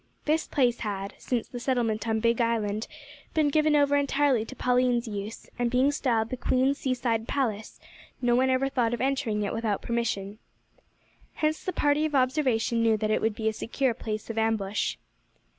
This place had, since the settlement on Big Island, been given over entirely to Pauline's use, and being styled the Queen's seaside palace, no one ever thought of entering it without permission. Hence the party of observation knew that it would be a secure place of ambush.